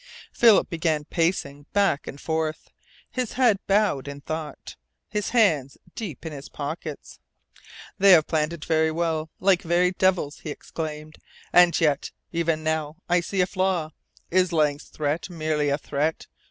Philip began pacing back and forth, his head bowed in thought, his hands deep in his pockets. "They have planned it well like very devils!" he exclaimed. "And yet even now I see a flaw. Is Lang's threat merely a threat?